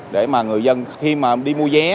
để mà người dân khi mà đi mua vé